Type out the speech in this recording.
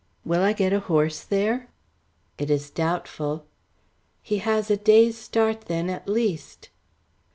"Will I get a horse there?" "It is doubtful." "He has a day's start then at the least."